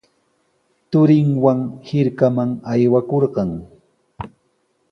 Turinwan hirkaman aywakurqan.